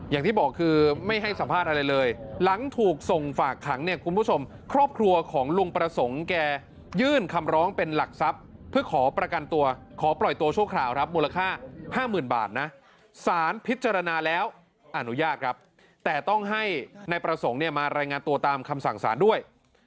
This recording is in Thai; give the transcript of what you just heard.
อย่างที่บอกคือไม่ให้สัมภาษณ์อะไรเลยหลังถูกส่งฝากขังเนี่ยคุณผู้ชมครอบครัวของลุงประสงค์แกยื่นคำร้องเป็นหลักทรัพย์เพื่อขอประกันตัวขอปล่อยตัวชั่วคราวครับมูลค่า๕๐๐๐บาทนะสารพิจารณาแล้วอนุญาตครับแต่ต้องให้นายประสงค์เนี่ยมารายงานตัวตามคำสั่งสารด้วย